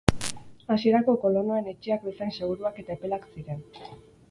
Hasierako kolonoen etxeak bezain seguruak eta epelak ziren.